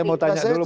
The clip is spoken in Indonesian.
saya mau tanya dulu